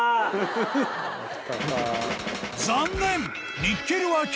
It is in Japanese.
［残念！］